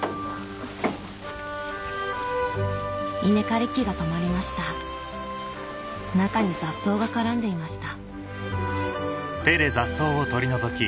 稲刈り機が止まりました中に雑草が絡んでいました